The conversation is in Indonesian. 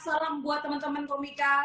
salam buat teman teman komika